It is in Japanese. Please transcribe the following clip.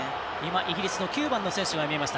イギリスの９番の選手が見えました。